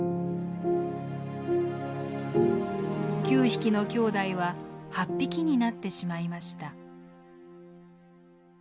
９匹のきょうだいは８匹になってしまいました。